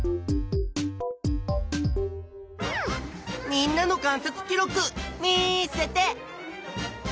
みんなの観察記録見せて！